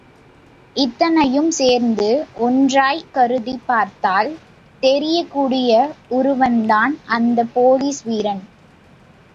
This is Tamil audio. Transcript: இத்தனையும் சேர்த்து ஒன்றாய்க் கருதிப் பார்த்தால் தெரியக்கூடிய உருவந்தான் அந்தப் போலீஸ் வீரன்.